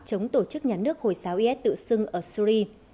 chống tổ chức nhà nước hồi giáo is tự xưng ở syri